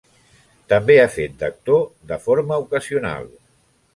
També ha fet d'actor de forma ocasional.